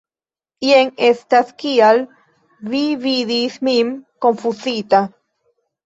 Jen estas kial vi vidis min konfuzita.